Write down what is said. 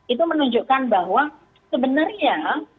itu menunjukkan bahwa sebenarnya